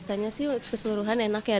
katanya sih keseluruhan enak ya